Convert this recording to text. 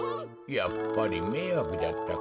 やっぱりめいわくじゃったか。